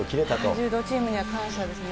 柔道チームには感謝ですね。